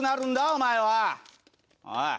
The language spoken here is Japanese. お前は。おい！